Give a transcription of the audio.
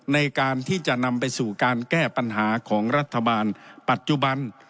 ในการที่จะนำไปสู่การแก้ปัญหาของรัฐบาลปัจจุบัน